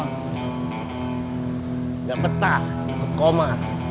gak betah ke koma